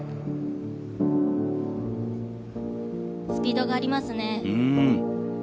スピードがありますね。